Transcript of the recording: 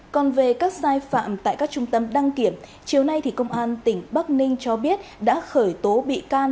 còn về các sai phạm tại các trung tâm đăng kiểm chiều nay công an tỉnh bắc ninh cho biết đã khởi tố bị can